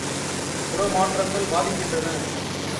புற மாற்றங்கள் பாதிக்கின்றன.